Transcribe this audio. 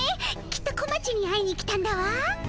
きっと小町に会いに来たんだわ。